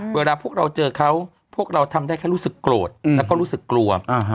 เวลาพวกเราเจอเขาพวกเราทำได้แค่รู้สึกโกรธแล้วก็รู้สึกกลัว